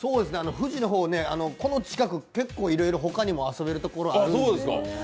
富士の方、この近く、結構いろいろ他にも遊べるところがあるんですよね。